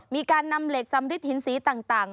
มีการนำเหล็กสำริดหินสีต่าง